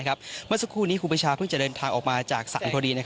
เมื่อสักครู่นี้ครูปีชาเพิ่งจะเดินทางออกมาจากศาลพอดี